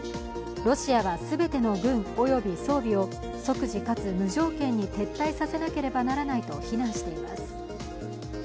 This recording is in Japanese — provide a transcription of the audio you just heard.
ロシアは全ての軍および装備を即時かつ無条件に撤退させなければならないと非難しています。